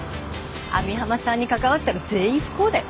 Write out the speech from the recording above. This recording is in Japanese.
網浜さんに関わったら全員不幸だよ。